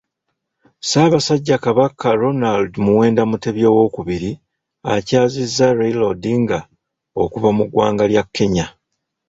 Ssaabasajja Kabaka Ronald Muwenda Mutebi II akyazizza Raila Odinga okuva mu ggwanga lya Kenya.